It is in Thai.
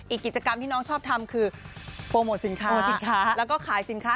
กิจกรรมที่น้องชอบทำคือโปรโมทสินค้าแล้วก็ขายสินค้า